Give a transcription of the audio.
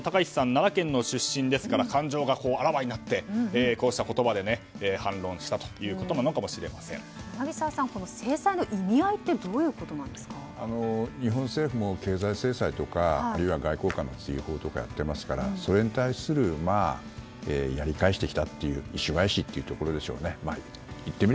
奈良県の出身ですから感情があらわになってこうした言葉で反論した柳澤さん、制裁の意味合いって日本政府も経済制裁とかあるいは外交官の追放とかやっていますからそれに対するやり返してきたという意趣返しというところですかね。